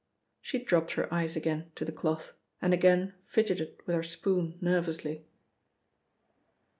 She dropped her eyes again to the cloth and again fidgeted with her spoon nervously.